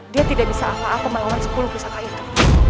dia tidak bisa apa apa melawan sepuluh pusaka itu